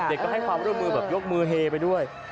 ก็ให้ความร่วมมือแบบยกมือเฮไปด้วย